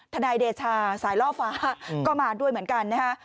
นายเดชาสายล่อฟ้าก็มาด้วยเหมือนกันนะฮะ